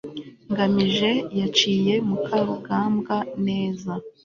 ngamije yaciye mukarugambwa neza